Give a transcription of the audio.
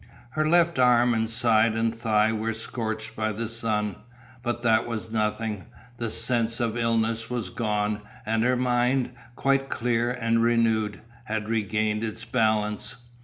Her left arm and side and thigh were scorched by the sun, but that was nothing; the sense of illness was gone, and her mind, quite clear and renewed, had regained its balance.